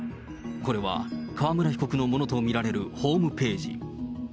これは川村被告のものと見られるホームページ。